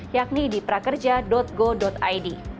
yakni di prakerja go id